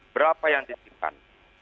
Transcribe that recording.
berapa yang titipan